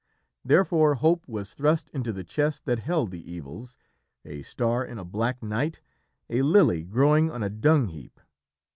Therefore Hope was thrust into the chest that held the evils, a star in a black night, a lily growing on a dung heap.